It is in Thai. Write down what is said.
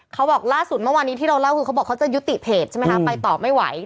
เขาบอกล่าสุดเมื่อวานนี้ที่เราเล่าคือเขาบอกเขาจะยุติเพจใช่ไหมคะไปต่อไม่ไหว